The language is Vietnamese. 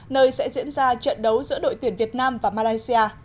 nơi sẽ diễn ra trận đấu giữa đội tuyển việt nam và malaysia